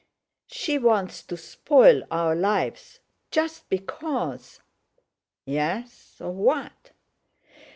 "She wants to spoil our lives, just because—" "Yes, of what?"